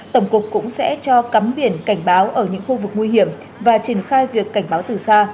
tổng cục cũng sẽ cho cắm biển cảnh báo ở những khu vực nguy hiểm và triển khai việc cảnh báo từ xa